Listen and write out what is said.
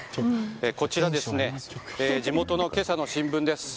こちら、地元の今朝の新聞です。